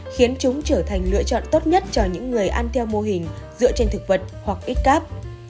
khiến chúng trở thành lựa chọn tốt nhất cho những người ăn theo mô hình dựa trên thực vật hoặc ít cáp